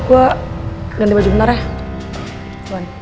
gue ganti baju benar ya